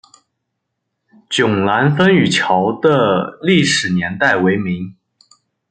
迥澜风雨桥的历史年代为明。